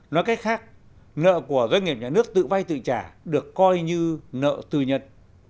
nói cách khác nợ của doanh nghiệp nhà nước tự vay tự trả được coi như nợ từ nhật